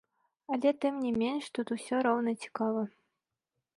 Але тым не менш тут усё роўна цікава.